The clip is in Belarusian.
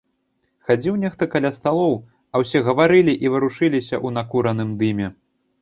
Хадзіў нехта каля сталоў, а ўсе гаварылі і варушыліся ў накураным дыме.